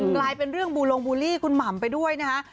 กลายเป็นเรื่องบูลงบูลลี่คุณหม่ำไปด้วยนะฮะ